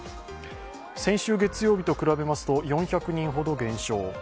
先週月曜日と比べますと４００人ほど減少。